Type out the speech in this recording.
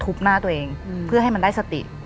หน้าตัวเองเพื่อให้มันได้สติ